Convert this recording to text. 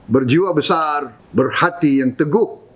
berjiwa besar berhati yang teguh